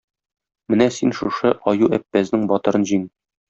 Менә син шушы Аю-Әппәзнең батырын җиң.